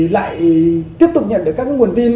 lại tiếp tục nhận được các nguồn tin